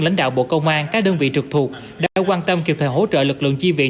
lãnh đạo bộ công an các đơn vị trực thuộc đã quan tâm kịp thời hỗ trợ lực lượng chi viện